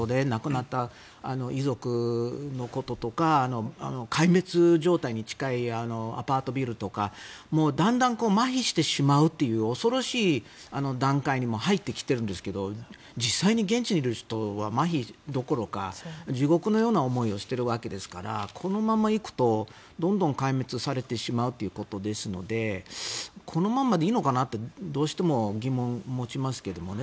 亡くなった遺族のこととか壊滅状態に近いアパート、ビルとかだんだんまひしてしまうという恐ろしい段階に入ってきているんですが実際に現地にいる人はまひどころか地獄のような思いをしているわけですからこのままいくとどんどん壊滅されてしまうということですのでこのままでいいのかなってどうしても疑問を持ちますけど。